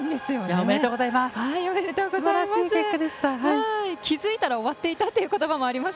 おめでとうございます。